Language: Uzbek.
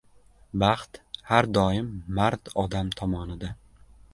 Baxt har doim mard odam tomonida.